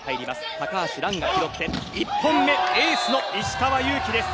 高橋藍が拾って１本目エースの石川祐希です。